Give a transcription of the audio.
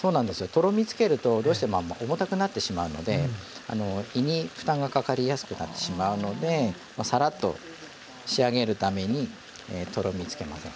とろみつけるとどうしても重たくなってしまうので胃に負担がかかりやすくなってしまうのでサラッと仕上げるためにとろみつけません。